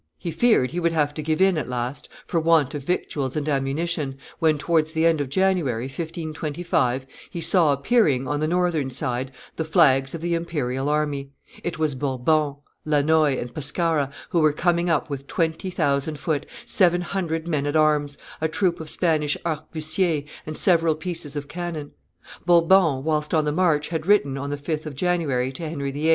He feared he would have to give in at last, for want of victuals and ammunition, when, towards the end of January, 1525, he saw appearing, on the northern side, the flags of the imperial army: it was Bourbon, Lannoy, and Pescara, who were coming up with twenty thousand foot, seven hundred men at arms, a troop of Spanish arquebusiers, and several pieces of cannon. Bourbon, whilst on the march, had written, on the 5th of January, to Henry VIII.